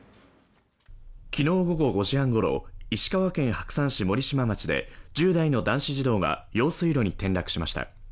昨日午後５時半ごろ、石川県白山市森島町で１０代の男子児童が用水路に転落しました。